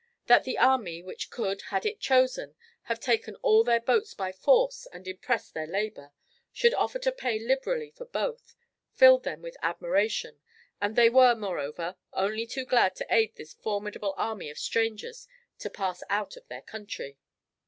That the army, which could, had it chosen, have taken all their boats by force and impressed their labour, should offer to pay liberally for both, filled them with admiration, and they were, moreover, only too glad to aid this formidable army of strangers to pass out of their country.